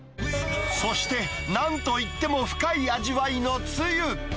そして、なんといっても深い味わいのつゆ。